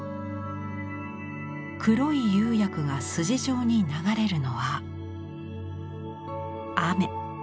黒い釉薬が筋状に流れるのは雨。